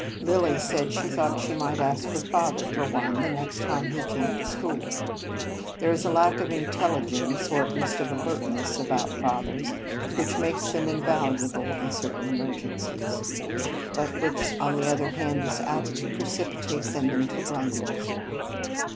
Lilly said she thought she might ask her father for one, the next time he came to the school. There is a lack of intelligence, or at least of alertness, about fathers, which makes them invaluable in certain emergen cies; but which, on the other hand, is apt to precipitate them into blunders.